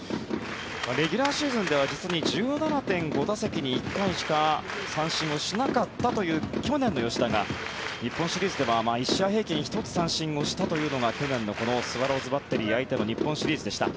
レギュラーシーズンでは実に１７．５打席に１回しか三振をしなかったという去年の吉田が日本シリーズでは１試合平均１つ三振したというのが去年のこのスワローズバッテリー相手の日本シリーズでした。